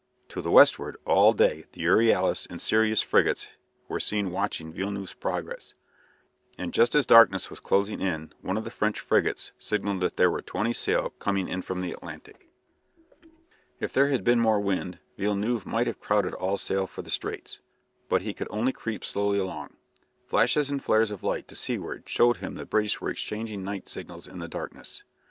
To the westward all day the "Euryalus" and "Sirius" frigates were seen watching Villeneuve's progress, and just as darkness was closing in one of the French frigates signalled that there were twenty sail coming in from the Atlantic. If there had been more wind, Villeneuve might have crowded all sail for the Straits, but he could only creep slowly along. Flashes and flares of light to seaward showed him the British were exchanging night signals in the darkness.